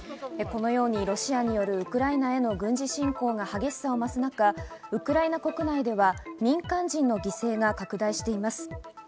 このようにロシアによるウクライナへの軍事侵攻が激しさを増す中、ウクライナ国内では民間人の犠牲が拡大しています。